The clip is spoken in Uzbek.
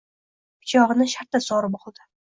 Pichog’ini shartta sug’urib oldi.